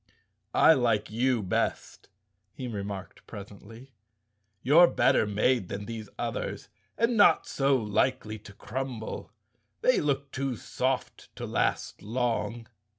"I like you best," he remarked presently. "You're better made than these others and not so likely to crumble. They look too soft to last long."